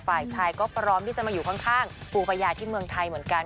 ฝ่ายชายก็พร้อมที่จะมาอยู่ข้างปูพญาที่เมืองไทยเหมือนกัน